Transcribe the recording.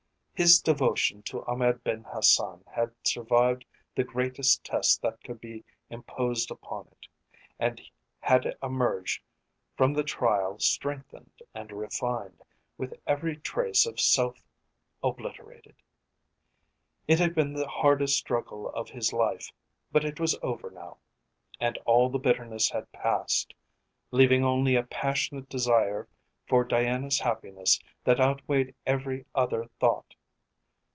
His devotion to Ahmed Ben Hassan had survived the greatest test that could be imposed upon it, and had emerged from the trial strengthened and refined, with every trace of self obliterated. It had been the hardest struggle of his life, but it was over now, and all the bitterness had passed, leaving only a passionate desire for Diana's happiness that outweighed every other thought.